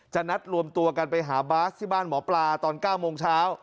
นัดรวมตัวกันไปหาบาสที่บ้านหมอปลาตอน๙โมงเช้า